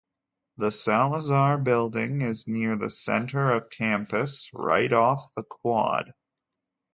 The Salazar Building is near the center of campus, right off the quad.